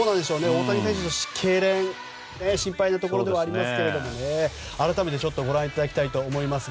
大谷選手のけいれん心配なところではありますが改めてご覧いただきます。